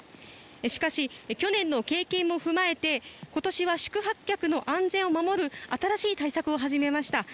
しかし、去年の経験も踏まえて今年は宿泊客の安全を守る新しい対策を始めました。